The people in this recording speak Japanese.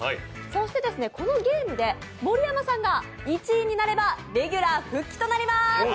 そしてこのゲームで盛山さんが１位になればレギュラー復帰となります。